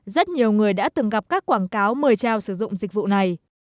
rất nhiều người đã từng gặp các quảng cáo mời trao sử dụng dịch vụ này